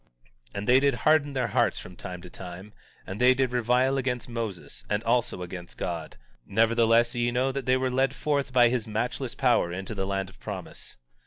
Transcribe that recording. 17:42 And they did harden their hearts from time to time, and they did revile against Moses, and also against God; nevertheless, ye know that they were led forth by his matchless power into the land of promise.